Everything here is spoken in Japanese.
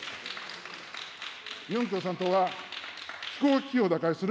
日本共産党は気候危機を打開する